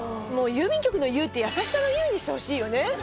郵便局の「郵」って優しさの「優」にしてほしいよね。